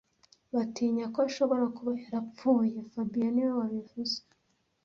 Batinya ko ashobora kuba yarapfuye fabien niwe wabivuze